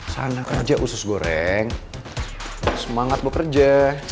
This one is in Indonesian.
sana kerja usus goreng semangat buat kerja